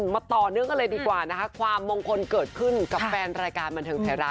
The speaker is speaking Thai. มาต่อเนื่องกันเลยดีกว่านะคะความมงคลเกิดขึ้นกับแฟนรายการบันเทิงไทยรัฐ